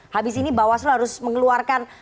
habis ini bawaslu harus mengeluarkan